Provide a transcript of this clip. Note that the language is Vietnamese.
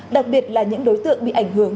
đặc biệt là những đối tượng bị ảnh hưởng